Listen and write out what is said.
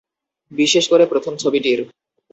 বিশেষ করে প্রথম ছবিটির।